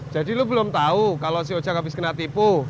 jadi lu belum tahu kalau si ojak habis kena tipu